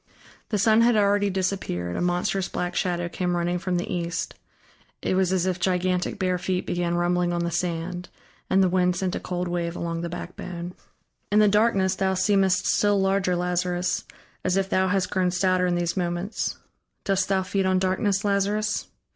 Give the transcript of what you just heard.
The sun had already disappeared, a monstrous black shadow came running from the east it was as if gigantic bare feet began rumbling on the sand, and the wind sent a cold wave along the backbone. "In the darkness thou seemest still larger, Lazarus, as if thou hast grown stouter in these moments. Dost thou feed on darkness, Lazarus?